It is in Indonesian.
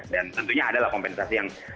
dan tentunya adalah kompensasi yang